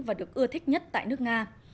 và được ưa thích nhất tại nước nga